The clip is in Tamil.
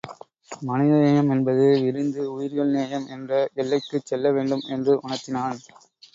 மனித நேயம் என்பது விரிந்து உயிர்கள் நேயம் என்ற எல்லைக்குச் செல்ல வேண்டும் என்று உணர்த்தினான்.